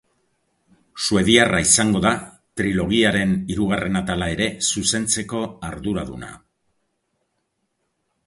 Suediarra izango da trilogiaren hirugarren atala ere zuzentzeko arduraduna.